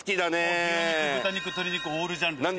もう牛肉豚肉鶏肉オールジャンル好きです。